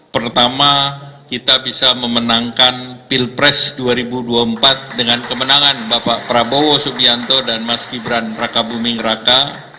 pertama kita bisa memenangkan pilpres dua ribu dua puluh empat dengan kemenangan bapak prabowo subianto dan mas gibran raka buming raka